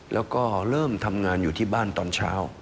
แล้วก็เริ่มทำงานอยู่ที่บ้านตอนเช้า